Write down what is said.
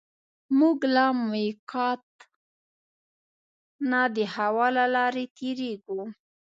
موږ له مېقات نه د هوا له لارې تېرېږو.